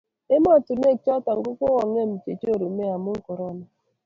ematunwek chuton ko kongem chenyorume amun korona